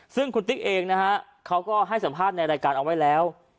ซึ่งคุณติ๊กเองนะฮะเขาก็ให้สัมภาษณ์ในรายการเอาไว้แล้ว